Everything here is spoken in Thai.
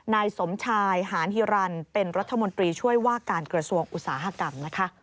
นายสมชายหานฮิรันเป็นรัฐมนตรีช่วยว่าการกระทรวงอุตสาหกรรมนะคะ